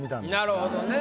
なるほどね。